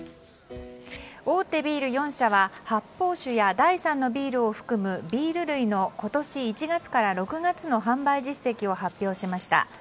大手ビール４社は発泡酒や第３のビールを含むビール類の今年１月から６月の販売実績を発表しました。